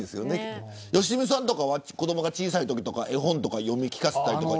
良純さんは子どもが小さいとき絵本を読み聞かせたりとか。